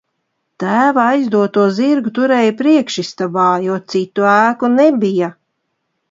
Tēva aizdoto zirgu turēju priekšistabā, jo citu ēku nebija.